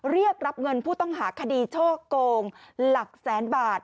เรียกรับเงินผู้ต้องหาคดีช่อโกงหลักแสนบาท